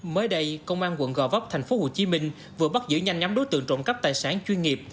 mới đây công an quận gò vấp tp hcm vừa bắt giữ nhanh nhóm đối tượng trộm cắp tài sản chuyên nghiệp